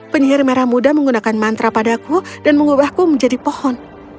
penyihir merah muda menggunakan mantra padaku dan mengubahku menjadi pohon